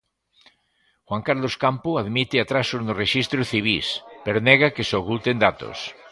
Juan Carlos Campo admite atrasos nos rexistros civís, pero nega que se oculten datos.